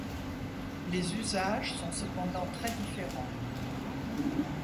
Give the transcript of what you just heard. Les usages sont cependant très différents.